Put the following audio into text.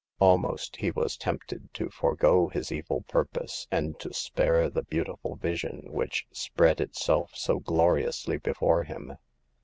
Almost he was tempted to forego his evil purpose, and to spare the beauti ful vision which spread itself so gloriously before him.